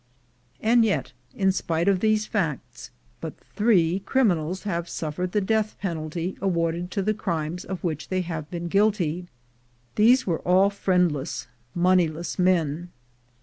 "And yet, in spite of these facts, but three criminals have suffered the death penalty awarded to the crimes of which they have been guilty. These were all friendless, moneyless men.